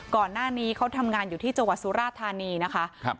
ก่อนหน้านี้เขาทำงานอยู่ที่จังหวัดสุราธานีนะคะครับ